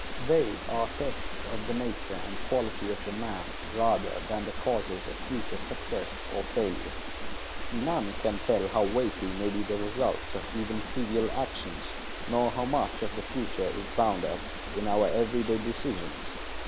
They are tests of the nature and quality of the man rather than the causes of future success or failure. None can tell how weighty may be the results of even trivial actions, nor how much of the future is bound up in our every day decisions.